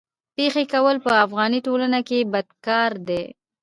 پېښې کول په افغاني ټولنه کي بد کار دی.